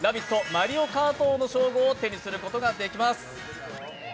マリオカート王の称号を手にすることができます。